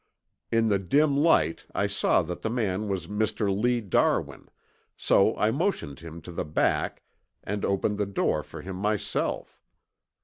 In the dim light I saw that the man was Mr. Lee Darwin, so I motioned him to the back and opened the door for him myself.